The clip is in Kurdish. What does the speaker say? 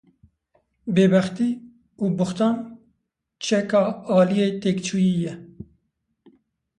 Bêbextî û bûxtan çeka aliyê têkçûyî ye.